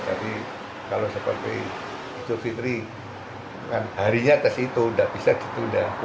jadi kalau seperti ijo fitri kan harinya ke situ tidak bisa ke situ